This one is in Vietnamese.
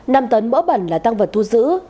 năm tấn mỡ bẩn là tăng vật thu giữ